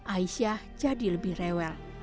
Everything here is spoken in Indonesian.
aisyah jadi lebih rewel